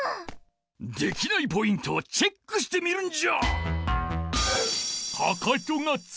できないポイントをチェックしてみるんじゃ！